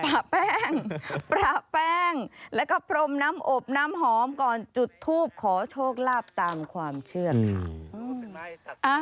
แป้งประแป้งแล้วก็พรมน้ำอบน้ำหอมก่อนจุดทูบขอโชคลาภตามความเชื่อค่ะ